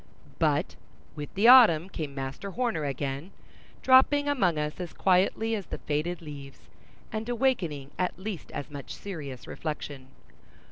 But with the autumn came Master Horner again, dropping among us as quietly as the faded leaves, and awakening at least as much serious reflection.